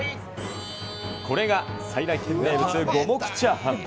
これが菜来軒名物、五目チャーハン。